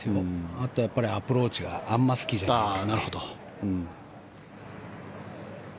あと、アプローチがあんまり好きじゃないとか。